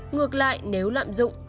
ngược lại nếu lạm dụng